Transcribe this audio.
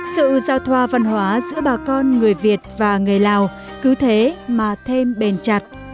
sự giao thoa văn hóa giữa bà con người việt và người lào cứ thế mà thêm bền chặt